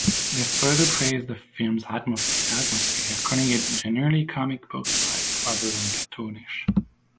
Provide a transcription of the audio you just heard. They further praised the film's atmosphere, calling it "genuinely comic book-like, rather than cartoonish".